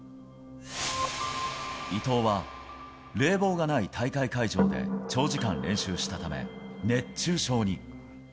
伊藤は、冷房がない大会会場で長時間練習したため、熱中症に。